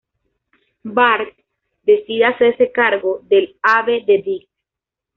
Bart decide hacerse cargo del ave de Diggs.